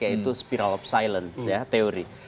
yaitu spiral of silence ya teori